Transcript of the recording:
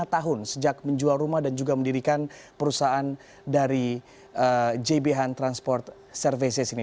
lima tahun sejak menjual rumah dan juga mendirikan perusahaan dari jbhan transport services ini